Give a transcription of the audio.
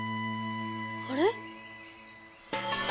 あれ？